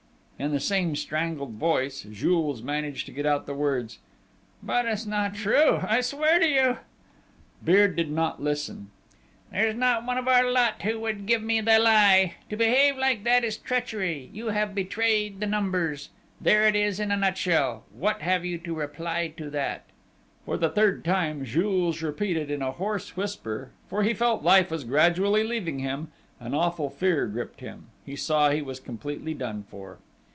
In the same strangled voice, Jules managed to get out the words: "But it's not true!... I swear to you ..." Beard did not listen. "There's not one of our lot who would give me the lie!... To behave like that is treachery!... You have betrayed the Numbers. There it is in a nutshell!... What have you to reply to that?" For the third time, Jules repeated in a hoarse whisper, for he felt life was gradually leaving him: an awful fear gripped him, he saw he was completely done for.